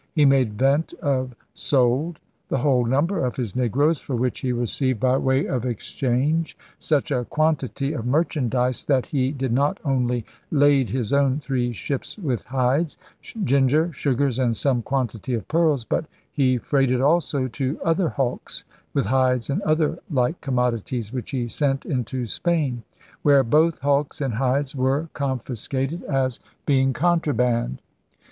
. he made vent of [sold] the whole number of his Negroes, for which he received by way of ex change such a quantity of merchandise that he did not only lade his own three ships with hides, ginger, sugars, and some quantity of pearls, but he freighted also two other hulks with hides and other like commodities, which he sent into Spain,' where both hulks and hides were confiscated as being contraband.